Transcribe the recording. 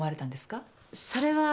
それは。